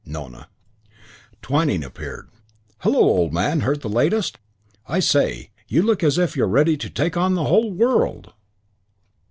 Nona. Twyning appeared. "Hullo, old man, heard the latest? I say, you look as if you're ready to take on the whole world."